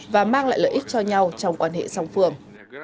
và mang lại lợi ích cho nhau trong quan hệ song phương